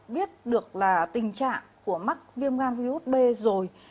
biết được là tình trạng của mắc viêm gan virus b rồi